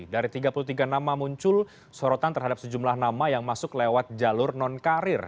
dari tiga puluh tiga nama muncul sorotan terhadap sejumlah nama yang masuk lewat jalur non karir